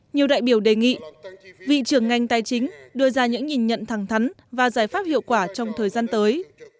nhiều đại biểu đề nghị vị trưởng ngành tài chính đưa ra những nhìn nhận thẳng thắn và giải pháp hiệu quả trong thời gian tới